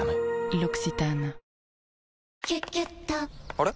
あれ？